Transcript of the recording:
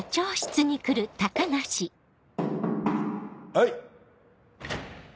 はい。